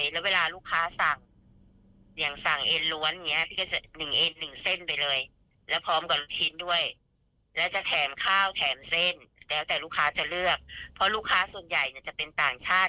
แล้วลูกค้าจะเลือกเพราะลูกค้าส่วนใหญ่จะเป็นต่างชาติก็เป็นคงคเหลืองยงร้อย